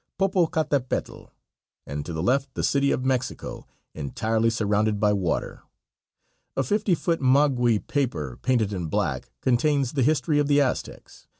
Popocatepetl, and to the left the City of Mexico, entirely surrounded by water. A fifty foot maguey paper painted in black, contains the history of the Aztecs.